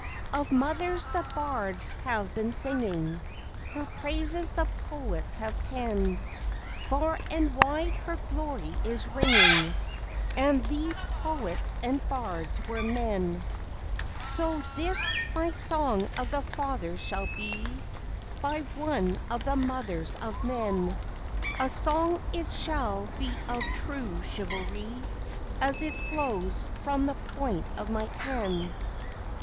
Of mothers the bards have been singing, Her praises the poets have penned, Far and wide her glory is ringing, And these poets and bards were men. So this my song of the fathers shall be By one of the mothers of men, A song it shall be of true chivalry, As it flows from the point of my pen.